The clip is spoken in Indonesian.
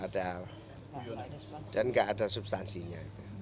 tidak ada substansinya